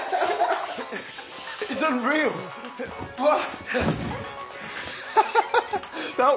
うわっ。